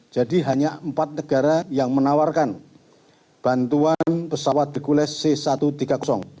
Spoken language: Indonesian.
jadi hanya empat negara yang menawarkan bantuan pesawat hercules c satu ratus tiga puluh